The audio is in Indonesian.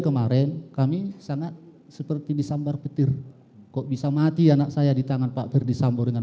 kemarin kami sangat seperti disambar petir kok bisa mati anak saya di tangan pak ferdisambo dengan